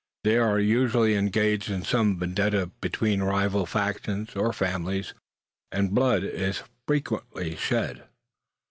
They are usually engaged in some vendetta between rival factions, or families, and blood is frequently shed.